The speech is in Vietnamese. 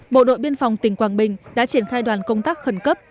bộ đội biên phòng tỉnh quảng bình đã triển khai đoàn công tác khẩn cấp